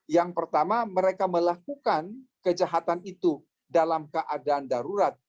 yang pertama mereka melakukan kejahatan itu dalam keadaan darurat